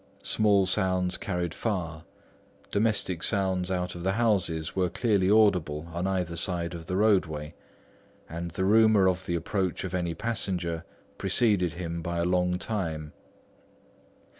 Small sounds carried far; domestic sounds out of the houses were clearly audible on either side of the roadway; and the rumour of the approach of any passenger preceded him by a long time.